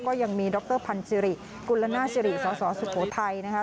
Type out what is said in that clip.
ก็ยังมีดรพันธ์สิริกุลนาสิริสสสุโขทัยนะคะ